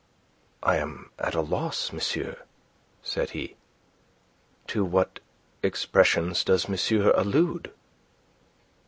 "I am at a loss, monsieur," said he. "To what expressions does monsieur allude?"